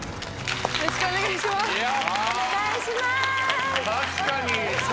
よろしくお願いします